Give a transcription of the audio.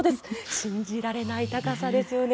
信じられない高さですよね。